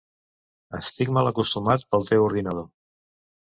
Estic malacostumat pel teu ordinador.